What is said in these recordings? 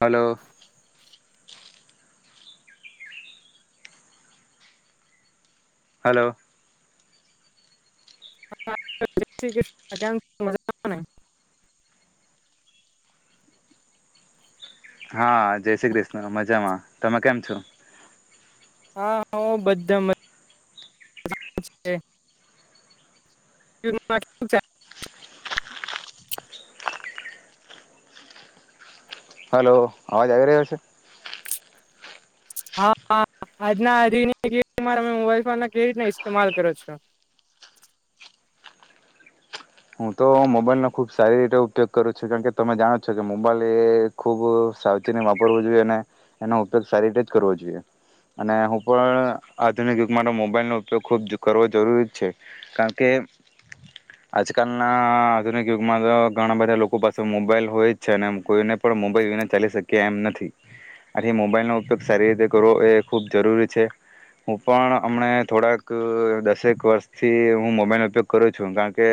Hello. Hello. Shri Krishna કેમ છો મજામાં ને હા જય શ્રી કૃષ્ણ મજામાં તમે કેમ છો. હા ઓ બધા મજા [inaudible] [inaudible] [unintelligible] હલો અવાજ આવી રહ્યો છે? [inaudible] હું તો મોબાઈલનો ખૂબ સારી રીતે ઉપયોગ કરું છું કારણ કે તમે જાણો છો કે મોબાઈલ આજકાલના આધુનિક યુગમાં તો ઘણા બધા લોકો પાસે મોબાઈલ હોય જ છે અને કોઈને પણ મોબાઈલ વિના ચાલી શક્યા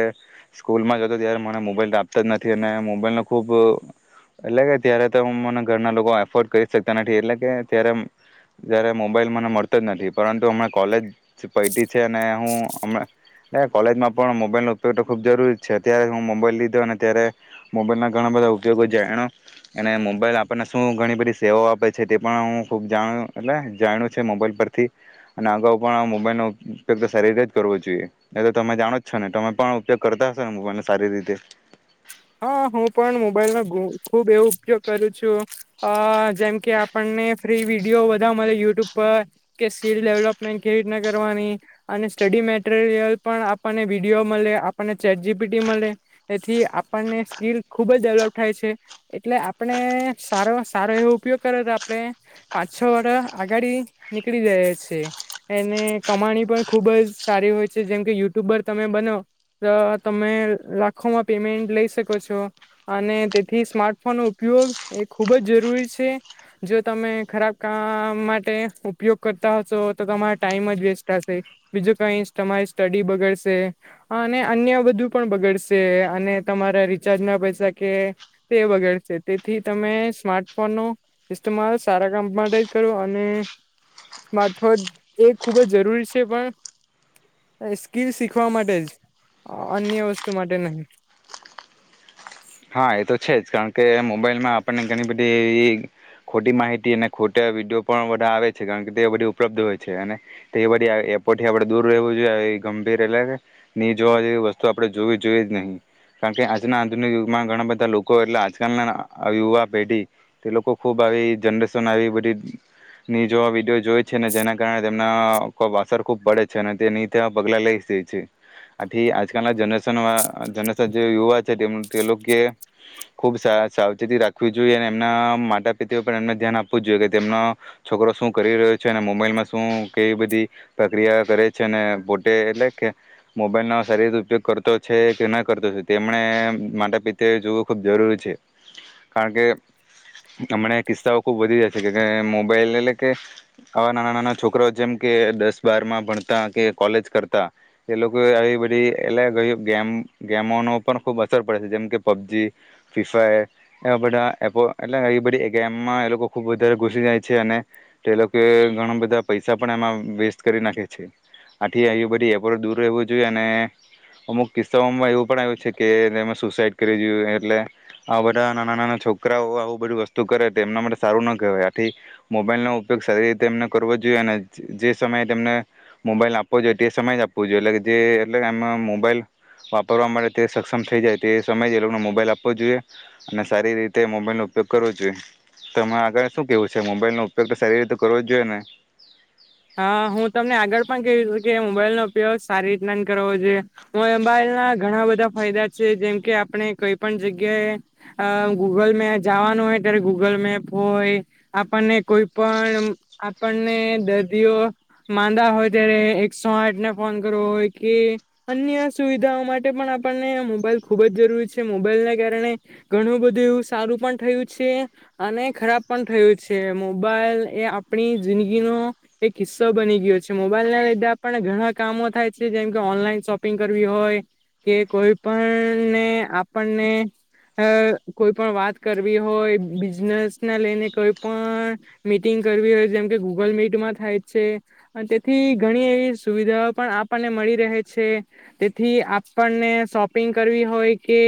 એમ સ્કૂલમાં ઉપગ તો ખૂબ જરૂરી છે. પણ ઉપયોગ કરતા હશે ને હા હું પણ મોબાઈલમાં ખુબ એવો ઉપયોગ કરું છું. આ જેમ કે આપણને ફ્રી વિડીયો બધા મળે યુટ્યુબ પર કે સ્કિલ ડેવલપમેન્ટ કેવી રીતના કરવાની અને સ્ટડી મેટરિયલ પણ આપણને વિડીયો મળે આપણને ચેટ જીપીટી મળે એથી આપણને સ્કીિલ ખૂબ જ ડેવલપ થાય છે એટલે આપણે સારો સારો એવો ઉપયોગ કર્યો તો આપણે પાંચ છ વાર આગાડી નીકળી જઈએ છીએ એને કમાણી પણ ખૂબ જ સારી હોય છે. જેમ કે યુટ્યુબર તમે બનો તો તમે લાખોમાં પેમેન્ટ લઈ શકો છો. અને તેથી સ્માર્ટફોનનો ઉપયોગ એ ખૂબ જ જરૂરી છે જો તમે ખરાબ કામ માટે ઉપયોગ કરતા હશો તો તમારો ટાઈમ જ વેસ્ટ થાશે બીજું કઈ તમારી સ્ટડી બગડશે. અને અન્ય બધું પણ બગડશે. અને તમારા રિચાર્જ ના પૈસા કે તે બગડશે તેથી તમે સ્માર્ટફોનનો ઇસ્તેમાલ સારા કામ માટે જ કરો અને સ્માર્ટફોન એ ખૂબ જ જરૂરી છે પણ સ્કીલ શીખવા માટે જ અન્ય વસ્તુ માટે નહીં. હા એ તો છે જ કારણ કે મોબાઈલમાં આપણને ઘણી બધી એવી ખોટી માહિતી અને ખોટા વિડીયો પણ બધા આવે છે કારણ કે તે બધી ઉપલબ્ધ હોય છે અને તે બધી એપોથી આપણે દૂર રહેવું જોઈએ એ ગંભીર એટલે ની જોવા જેવી વસ્તુ આપણે જોવી જોઈએ જ નહીં કારણકે આજના આધુનિક માં ઘણા બધા લોકો એટલે આજકાલના યુવા પેઢી તે લોકો ખૂબ આવી જનરેશન આવી બધી ની જોવા વિડીયો જોય છે ને જેના કારણે તેમના ખૂબ અસર ખૂબ પડે છે અને તે ની તેવા પગલા લઈ લે છે આથી આજકાલના જનરેશન, જરેશન જે યુવા છે તેમ તે એ લોકોએ ખૂબ સા સાવચેતી રાખવી જોઈએ અને એમના માતા પિતાઓ પણ એમને ધ્યાન આપવું જ જોઈએ કે તેમનો છોકરો શું કરી રહ્યો છે. અને મોબાઈલમાં શું કેવી બધી પ્રક્રિયા કરે છે અને પોતે એટલે કે મોબાઈલનો સારી રીતે ઉપયોગ કરતો છે કે ન કરતો છે તેમણે માતા પિતા જોવું ખૂબ જરૂરી છે કારણ કે હમણાં કિસ્સાઓ ખૂબ વધી જશે કે મોબાઈલ એટલે કે આવા નાના નાના છોકરા જેમ કે દસ બારમાં ભણતા કે કોલેજ કરતા એ લોકો આવી બધી એટલે ગેમ ગેમોનો પણ ખૂબ અસર પડે છે જેમ કે પબજી, ફ્રી ફાયર એવા બધા એપો એટલે એ બધી ગેમમાં એ લોકો ખૂબ વધારે ઘુસી જાય છે. અને તો એ લોકો કે ઘણા બધા પૈસા પણ એમાં વેસ્ટ કરી નાખે છે. આથી એ બધી એપો થી દૂર રહેવું જોઈએ. અને અમુક કિસ્સાઓમાં એવું પણ આવ્યું છે કે ને એમા સુસાઈડ કરવી જોઈએ એટલે આ બધા નાના નાના છોકરાઓ આવું બધી વસ્તુ કરે તો એમના માટે સારું ના કહેવાય આથી મોબાઈલનો ઉપયોગ સારી રીતે એમને કરવો જોઈએ અને જે સમયે તેમને મોબાઈલ આપવો જોઈએ તે સમય જ આપવો જોઈએ એટલે કે જે એટલે એમાં મોબાઈલ વાપરવા માટે તે સ સક્ષમ થઈ જાય તો એ સમય એ લોકોને મોબાઈલ આપવો જોઈએ અને સારી રીતે મોબાઈલનો ઉપયોગ કરવો જોઈએ. તમને આગળ શું કેહેવું છે? મોબાઈલનો ઉપયોગ તો સારી રીતે કરવો જ જોઈએ ને? હા હું તમને આગળ પણ કહ્યું હતું કે મોબાઈલનો ઉપયોગ સારી રીતના કરવો જોઈએ મોબાઈલ ના ઘણા બધા ફાયદા છે. જેમ કે આપણે કોઈ પણ જગ્યાએ અ ગૂગલ મે જવાનું હોય ત્યારે ગૂગલ મેપ હોય આપણને કોઈ પણ આપણને દીઓ માંદા હોય ત્યારે એકસો આઠ ને ફોન કરવો હોય કે અન્ય સુવિધાઓ માટે પણ આપણને મોબાઈલ ખુબ જ જરૂરી છે. મોબાઈલને કારણે ઘણું બધું એવું સારું પણ થયું છે અને ખરાબ પણ થયું છે. મોબાઈલ એ આપણી જિંદગીનો એક હીસ્સો બની ગયો છે. મોબાઈલ ના લીધે આપણ ઘણા કામો થાય છે. જેમકે ઓનલાઈન શોપિંગ કરવી હોય કે કોઈ પણને આપણને કોઈ પણ વાત કરવી હોય બિઝનેસને લઈને કઈ પણ મીટિંગ કરવી હોય જેમ કે ગૂગલ મીટમાં થાય છે તેથી ઘણી એવી સુવિધાઓ પણ આપણને મળી રહે છે તેથી આપણને શોપિંગ કરવી હોય કે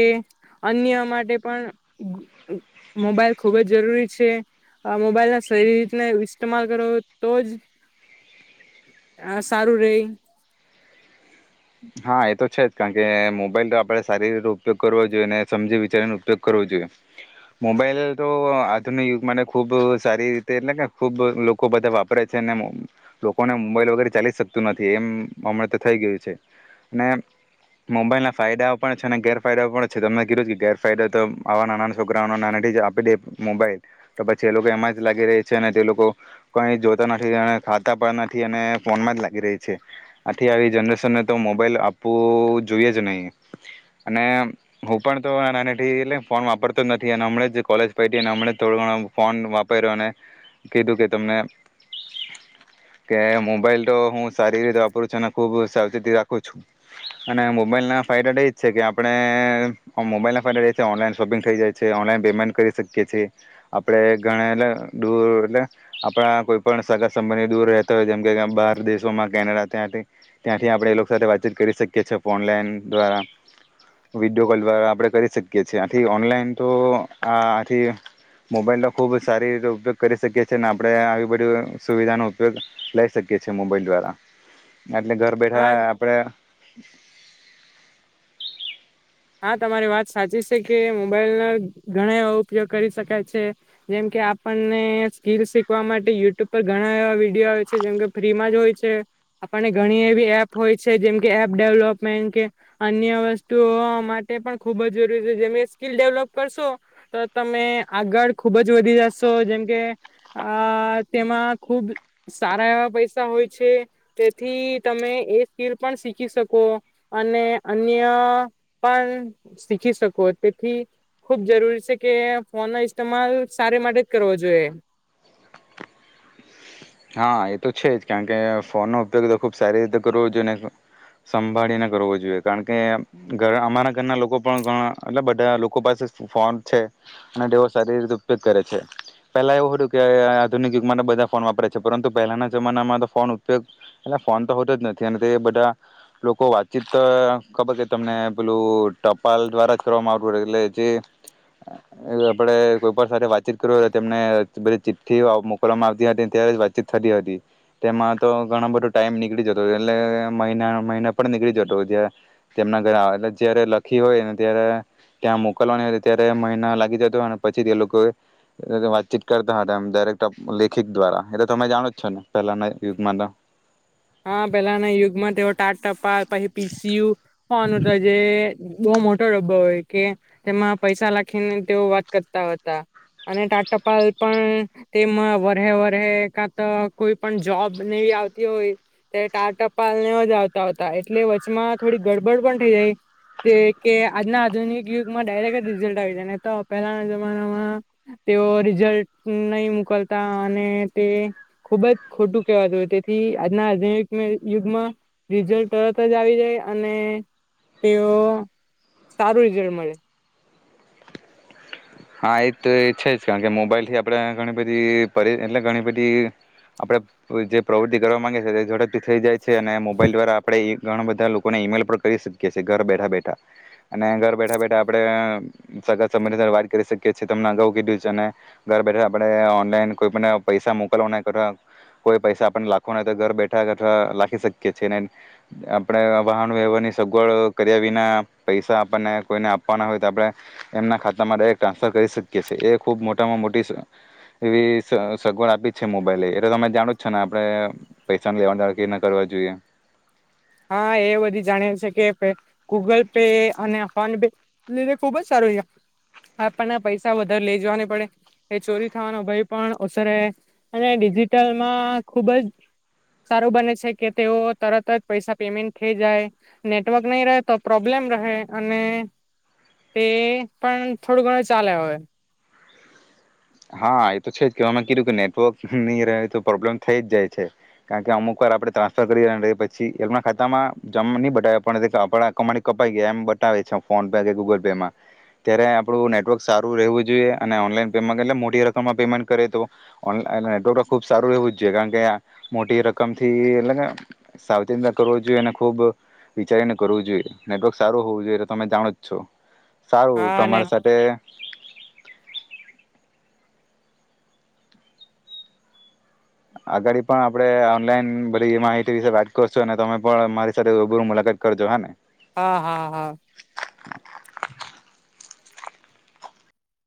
અન્ય માટે પણ મોબાઈલ ખૂબ જ જરૂરી છે. અ મોબાઈલના સારી રીતના ઇસ્સ્ટમાલ કરો તો જ હા સારું રઇ. હા એ તો છે જ, કારણ કે મોબાઈલ આપડે સારી રીતે ઉપયોગ કરવો જોઈએ અનેને સમજી વિચારીને ઉપયોગ કરવો જોઈએ. મોબાઈલ તો આધુનિક યુગ માટે ખૂબ સારી રીતે એટલે કે ખુબ લોકો બધા વાપરે છે. અને લોકોને મોબાઈલ વગેરે ચાલી શકતું નથી એમ હમણાં તો થઈ ગયું છે. ને મોબાઈલ ના ફાયદાઓ પણ છે અને ગેરફાયદાઓ પણ છે તમને કીધું કે ગેરફાયદા તો આવા નાના છોકરાઓને નાનાથી આપી દે મોબાઈલ તો પછી એ લોકો એમાં જ લાગી રહી છે. અને તે લોકો કઈ જોતા નથી અને ખાતા પણ નથી અને ફોનમાં જ લાગી રહી છે. આથી આવી જનરેશનને તો મોબાઈલ આપવું જોઈએ જ નહીં. અને હું પણ તો નાનાથી એટલે ફોન વાપરતો જ નથી અને હમણાં જ કોલેજ પયતિ અને હમણા થોડો ઘણો ફોન વાપર્યો અને કીધું કે તમને કે મોબાઈલ તો હું સારી રીતે વાપરું છું. અને ખુબ સાવચેતી રા ખૂ છુ અને મોબાઈલ ના ફાયદા તો એ જ છે કે આપણે મોબાઈલના ફાયદા એ છે ઓનલાઈન શોપિંગ થઈ જાય છે, ઓનલાઈન પેમેન્ટ કરી શકીએ છીએ આપણે ગણે એટલે દૂર એટલે આપણા કોઈ પણ સગા સંબંધી દૂર રહેતા હોય જેમ કે બહાર દેશોમાં કેનેડા ત્યાંથી, ત્યાંથી આપણે સાથે વાતચીત કરી શકીએ છીએ ફોનલાઈન દ્વારા વિડીયો કોલ દ્વારા આપણે કરી શકીએ છીએ આથી ઓનલાઈન તો આ આથી મોબાઈલનો ખૂબ સારી રીતે ઉપયોગ કરી શકીએ છીએ એ અને આપણે આવી બધી સુવિધાનો ઉપયોગ લઈ શકીએ છીએ મોબાઈલ દ્વારા. એટલે ઘર હા બેઠા [unintelligible] હા તમારી વાત સાચી છે, કે મોબાઈલ ના ઘણા એવા ઉપયોગ કરી શકાય છે. જેમકે આપણને સ્કીલ શીખવા માટે યુટ્યુબ પર ઘણા એવા વિડીયો આવે છે જેમકે ફ્રીમાં જ હોય છે. આપણને ઘણી એવી એપ હોય છે જેમકે એપ ડેવલોપમેન્ટ કે અન્ય વસ્તુઓ માટે પણ ખૂબ જ જરૂરી છે જેમ સ્કીિલ ડેવલોપ કરશો તો તમે આગળ ખુબ જ વધી જશો જેમકે આ તેમાં ખુબ સારા એવા પૈસા હોય છે. તેથી તમે એ સ્કીલ પણ શીખી શકો. અને અન્ય પણ શીખી શકો તેથી ખુબ જરૂરી છે કે ફોન નો ઇસ્તેમાલ સારી માટે જ કરવો જોઈએ. હા એ તો છે જ કારણકે ફોનનો ઉપયોગ તો ખુબ સારી રીતે કરવો જોઈએ ને સંભાળીને કરવો જોઈએ. કારણ કે ઘર અમારા ઘરના લોકો પણ ઘણા એટલે બધા લોકો પાસે ફોન છે અને તેવો સારી રીતે ઉપયોગ કરે છે. પેલા એવું હતું કે આધુનિક યુગમાં તો બધા ફોન વાપરે છે. પરંતુ પહેલાના જમાનામાં તો ફોન ઉપયોગ એટલે ફોન તો હોતો જ નથી અને તે બધા લોકો વાતચીત ખબર કે તમને પેલું ટપાલ દ્વારા જ કરવામાં આવતું એટલે જે આપણે કોઈ પણ સાથે વાતચીત કરવીય તેમને ધ ચિઠ્ઠી મોકલવામાં આવતી હતી ત્યારે જ વાતચીત થતી હતી. તેમાં તો ઘણા બધો ટાઈમ નીકળી જતો એટલે મહિના, મહિના પણ નીકળી જતો જ તેમના ઘરે આવે જ્યારે લખી હોય ને ત્યારે ત્યાં મોકલવાની હોય ત્યારે મહિના લાગી જતો અને પછી તે લોકો વાતચીત કરતા હતા આમ ડાયરેક્ટ લેખિત દ્વારા. એ તો તમે જાણો જ છો ને. પહેલાના યુગમાં તો હા પેલાના યુગમાં તેઓ ટાટ ટપાલ પછી, પી સી યુ ફોન જે બહુ મોટો ડબ્બો હોય કે તેમાં પૈસા લાખીને તેઓ વાત કરતા હતા. અને ટાટ ટપાલ પણ તેમાં વર્હે, વર્હે કા તો કોઈ પણ જોબ આવતી હોય તે ટાલ ટપાલને જ આવતા હોતા એટલે વચમાં થોડી ગડબડ પણ થઈ જાય તે કે આજના આધુનિક યુગમાં ડાયરેક્ટ રીઝલ્ટ આવી જાય ને તો પહેલાના જમાનામાં તેઓ રિઝલ્ટ નહી મોકલતા અને તે ખુબ જ ખોટું કેહેવાતું. તેથી આજના આજ યુગમાં રિઝલ્ટ તરત જ આવી જાય અને તેઓ સારું રિઝલ્ટ મળે. હા એ તો છે જ કારણ કે મોબાઈલ થી આપડણે ઘણી બધી એટલે ઘણી બધી આપડે જે પ્રવૃતિ કરવા માંગે છીએ એ ઝડપથી થઈ જાય છે. અને મોબાઈલ દ્વારા આપડણે ઘણા બધા લોકોને ઈમેલ પણ કરી શકીએ છીએ ઘર બેઠા બેઠા. અને ઘર બેઠા બેઠા આપણે સગા સંબંધી સાથે વા કરી શકીએ છીએ તમને અગાઉ કીધું છે અને ઘર બેઠા આપણે ઓનલાઈન કોઈ પણ પૈસા મોકલવાના અથ કોઈ પૈસા આપણને લખવાના હોય તો ઘર બેઠા અથવા લખી શકીએ છીએને ને આપણે વાહન વ્યવહારની સગવડ કર્યા વિના પૈસા આપણને કોઈને આપવાના હોય તો આપણે એમના ખાતામાં ડિરેકટ ટ્રાન્સફર કરી શકીએ છીએ એ ખૂબ મોટામાં મોટી એવી સગવડ આપી છે મોબાઈલ એટલે તમે જાણો જ છો ને આપણે પૈસાને લેવાના કે ન કરવા જોઈએ. હા એ બધી જાણી છે કે ગૂગલ પે અને ફોન પે લીધે ખુબ જ સારું છે. આપણને પૈસા વધારે લઇ જવાની પડે એ ચોરી થવાનો ભય પણ ઓછરે અને ડિજિટલમાં ખુબ જ સારું બને છે કે તેઓ તરત જ. પૈસા પેમેન્ટ થઈ જાય નેટવર્ક નહી રહે તો પ્રોબ્લેમ રહે અને તે પણ થોડું ઘણું ચાલે હોવે. હા એ તો છે જ કવામાં કીધું કે નેટવર્ક નહી રહે તો પ્રોબ્લેમ થઈ જાય છે. કારણ કે અમુક વાર આપડણે ટ્રાન્સફર કરી પછી એમના ખાતામાં જમ નહી બતાવે પણ આપણા કમાડી કપાઈ ગયા એમ બતાવે છે ફોન પે કે ગૂગલ પેમાં ત્યારે આપડું નેટવર્ક સારું રહેવું જોઈએ અને ઓનલાઈન પે એટલે મોટી રકમ માં પેમેન્ટ કરે તોનલાન નેટવર્ક તો ખુબ સારું રહેવું જ જોઈએ કારણ કે મોટી રકમ થી એટલે કે સાવચ રીતે કરવું જોઈએ અને ખુબ વિચારીને કરવું જોઈએ નેટવર્ક સારું હોવું જોઈએ તમે જાણો જ છો. સારું હા ને તમારી સાથે આગળ પણ આપડે ઓનલાઈન બધી એ માહિતી વિસે વાત કરશું અને તમે પણ મારી સાથે ઉબ મુલાકાત કરજો હા ને. હા હા હા.